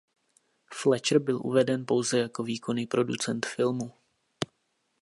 Fletcher byl uveden pouze jako výkonný producent filmu.